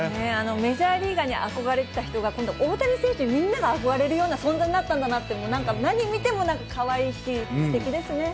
メジャーリーガーに憧れていた人が、今度、大谷選手にみんなが憧れるような存在になったんだなって、もうなんか、何見てもなんかかわいいし、すてきですね。